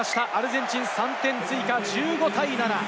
アルゼンチン３点追加、１５対７。